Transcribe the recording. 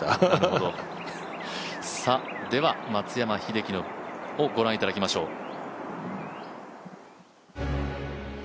では松山英樹を御覧いただきましょう。